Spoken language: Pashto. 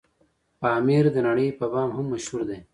پامير دنړۍ په بام هم مشهور دی